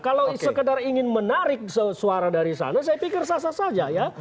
kalau sekadar ingin menarik suara dari sana saya pikir sasa saja ya